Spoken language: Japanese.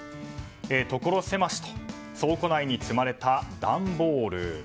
所狭しと倉庫内に積まれた段ボール。